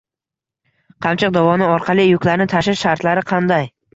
"Qamchiq" dovoni orqali yuklarni tashish shartlari qanday?